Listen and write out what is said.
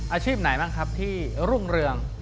อาชีพไหนบ้างครับที่รุ่งเรือง